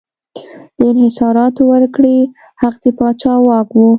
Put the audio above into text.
د انحصاراتو ورکړې حق د پاچا واک و.